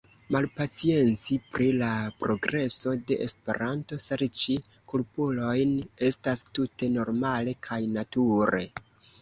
Malpacienci pri la progreso de Esperanto, serĉi kulpulojn, estas tute normale kaj nature.